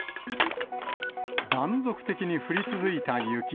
断続的に降り続いた雪。